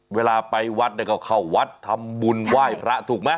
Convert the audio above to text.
เวลาไปวัดก็เข้าวัดทำบุญไหว้พระถูกไหม